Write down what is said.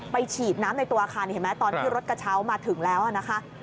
ฉีดน้ำในตัวอาคารเห็นไหมตอนที่รถกระเช้ามาถึงแล้วนะคะ